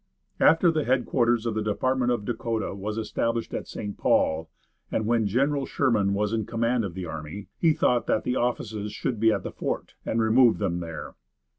After the headquarters of the Department of Dakota was established at St. Paul, and when General Sherman was in command of the army, he thought that the offices should be at the fort, and removed them there.